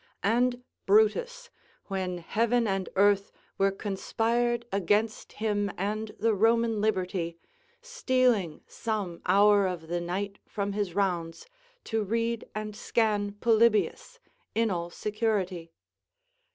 And Brutus, when heaven and earth were conspired against him and the Roman liberty, stealing some hour of the night from his rounds to read and scan Polybius in all security.